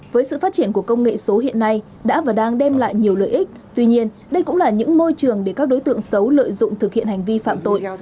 với sự phát triển của công nghệ số hiện nay đã và đang đem lại nhiều lợi ích tuy nhiên đây cũng là những môi trường để các đối tượng xấu lợi dụng thực hiện hành vi phạm tội